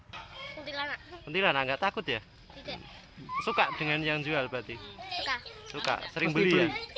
hai bintang bintang enggak takut ya suka dengan yang jual batik suka suka sering beli